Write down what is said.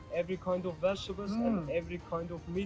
setiap jenis sayuran dan setiap jenis daging terdapat di dalam kebab ini